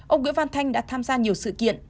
ông nguyễn văn thanh đã tham gia nhiều sự kiện